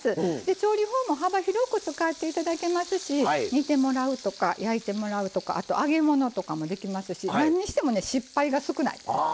調理法も幅広く使っていただけますし煮てもらうとか焼いてもらうとかあと、揚げ物とかもできますし何をしても失敗が少ない。